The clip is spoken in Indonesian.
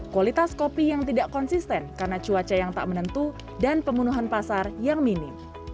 kualitas kopi yang tidak konsisten karena cuaca yang tak menentu dan pembunuhan pasar yang minim